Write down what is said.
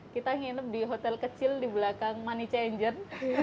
kita nginep di hotel kecil di belakang money changer